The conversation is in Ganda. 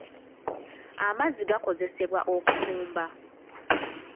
Amazzi gakozesebwa okufumba.